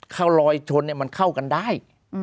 เขาลอยชนมันเข้ากันได้